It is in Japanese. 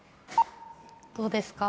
どうですか？